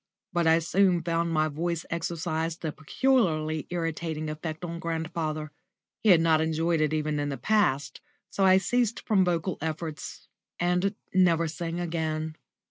But I soon found my voice exercised a peculiarly irritating effect on grandfather. He had not enjoyed it even in the past, so I ceased from vocal efforts and never sang again.